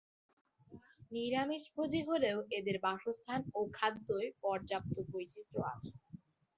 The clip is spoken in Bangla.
নিরামিষভোজী হলেও এদের বাসস্থান ও খাদ্যে পর্যাপ্ত বৈচিত্র্য আছে।